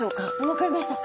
分かりました。